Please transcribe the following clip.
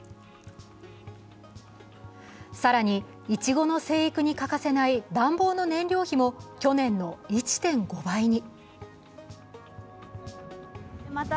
更にいちごの生育に欠かせない暖房の燃料費も去年の１．５倍に。